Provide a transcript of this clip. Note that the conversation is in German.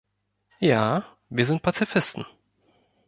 Ja, wir sind Pazifisten.